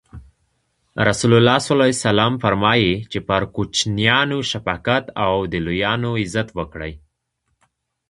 رسول الله ص فرمایي: چی پر کوچنیانو شفقت او او د لویانو عزت وکړي.